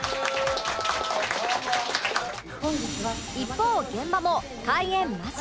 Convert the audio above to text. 一方現場も開演間近